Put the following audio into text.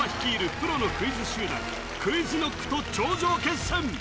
プロのクイズ集団ＱｕｉｚＫｎｏｃｋと頂上決戦！